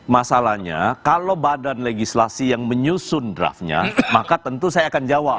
masalahnya kalau badan legislasi yang menyusun draftnya maka tentu saya akan jawab